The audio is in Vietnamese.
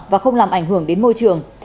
và không làm ảnh hưởng đến môi trường